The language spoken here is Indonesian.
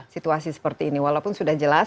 situasi seperti ini walaupun sudah jelas